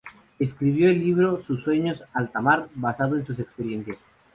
Escribió el libro "Sueños de alta mar" basado en sus experiencias.